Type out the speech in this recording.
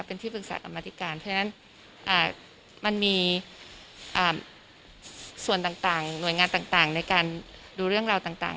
เป็นที่ปรึกษากรรมธิการเพราะฉะนั้นมันมีส่วนต่างหน่วยงานต่างในการดูเรื่องราวต่าง